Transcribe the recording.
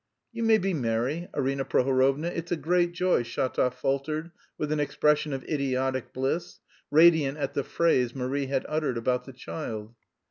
"You may be merry, Arina Prohorovna.... It's a great joy," Shatov faltered with an expression of idiotic bliss, radiant at the phrase Marie had uttered about the child.